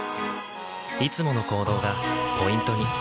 いつもの行動がポイントに。